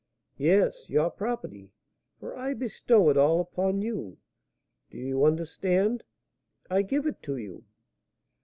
"Yes, your property; for I bestow it all upon you. Do you understand? I give it to you."